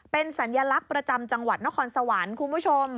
เป็นสัญลักษณ์ประจำจังหวัดนครสวรรค์คุณผู้ชม